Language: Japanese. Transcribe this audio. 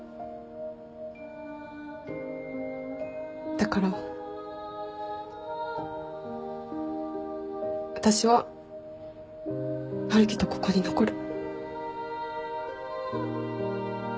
だから私は春樹とここに残る。